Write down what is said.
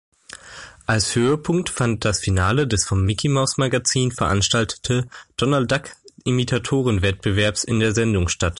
Als Höhepunkt fand das Finale des vom Micky-Maus-Magazin veranstaltete Donald-Duck-Imitatoren-Wettbewerbs in der Sendung statt.